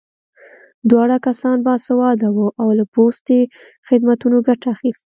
دواړه کسان باسواده وو او له پوستي خدمتونو ګټه اخیست